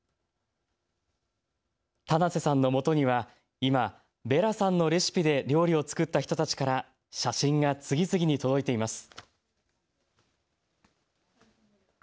棚瀬さんのもとには今、ヴェラさんのレシピで料理を作った人たちから写真が次々に届いています。